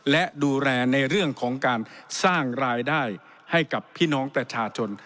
และดูแลในเรื่องของการสร้างรายได้ให้กับพี่น้องประชาชน